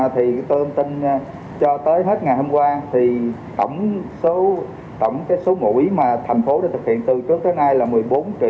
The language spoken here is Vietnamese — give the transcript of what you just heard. thì tôi tin cho tới hết ngày hôm qua thì tổng cái số mũi mà thành phố đã thực hiện từ trước tới nay là một mươi bốn tám trăm hai mươi bảy sáu trăm tám mươi năm mũi